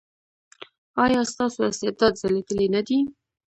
ایا ستاسو استعداد ځلیدلی نه دی؟